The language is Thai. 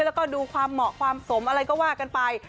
แล้วก็ดูความเหมาะความสมอะไรก็ว่ากันไป